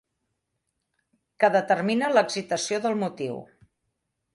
Que determina l'excitació del motiu.